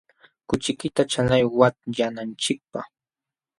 Kuchiykita chalay watyananchikpaq.